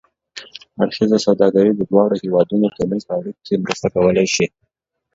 اړخیزه سوداګري د دواړو هېوادونو ترمنځ په اړیکو کې مرسته کولای شي.